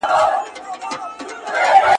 په لویه جرګه کي مخالف نظرونه څنګه حل کېږي؟